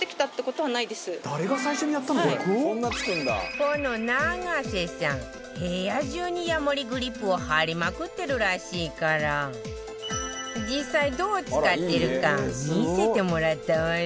この永瀬さん部屋中にヤモリグリップを貼りまくってるらしいから実際どう使ってるか見せてもらったわよ